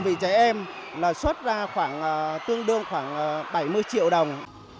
vì trẻ em xuất ra tương đương khoảng bảy mươi triệu đồng